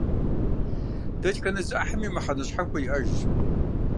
Дэтхэнэ зы Ӏыхьэми мыхьэнэ щхьэхуэ иӀэжщ.